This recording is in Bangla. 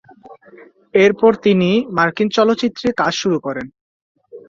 এরপর তিনি মার্কিন চলচ্চিত্রে কাজ শুরু করেন।